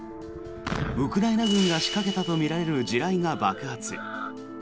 ウクライナ軍が仕掛けたとみられる地雷が爆発。